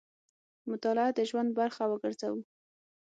مطالعه د ژوند برخه وګرځوو.